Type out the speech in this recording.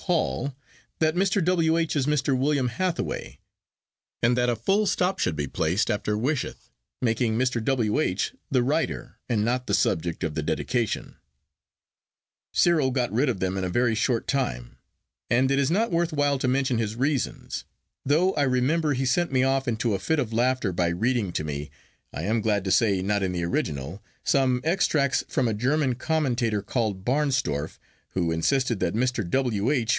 Hall"; that Mr. W. H. is Mr. William Hathaway; and that a full stop should be placed after "wisheth," making Mr. W. H. the writer and not the subject of the dedication,—Cyril got rid of them in a very short time; and it is not worth while to mention his reasons, though I remember he sent me off into a fit of laughter by reading to me, I am glad to say not in the original, some extracts from a German commentator called Barnstorff, who insisted that Mr. W. H.